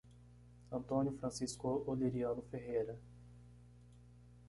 Antônio Francisco Oleriano Ferreira